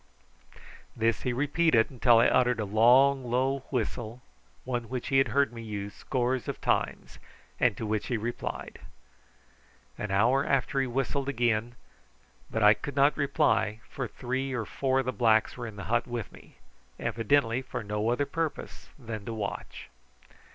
This he repeated till I uttered a low long whistle, one which he had heard me use scores of times, and to which he replied. An hour after he whistled again, but I could not reply, for three or four of the blacks were in the hut with me, evidently for no other purpose than to watch.